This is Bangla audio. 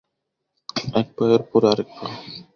এক পায়ের পরে আরেক পা।